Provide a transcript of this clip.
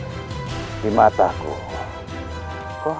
kau belum tahu siapa kau berteriak teriak di wilayah